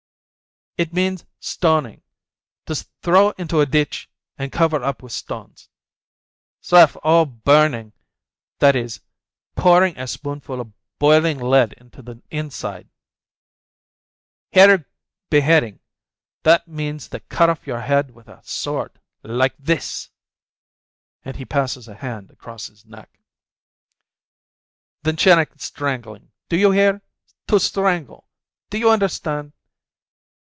It means stoning, to throw into a ditch and cover up with stones ! Sref oh â€" burning, that is, pour ing a spoonful of boiling lead into the inside ! Hereg â€" beheading, that means they cut off your head with a sword! Like this" (and he passes a hand across his neck). "Then Cheneck â€" strangling! Do you hear? To strangle! Do you understand?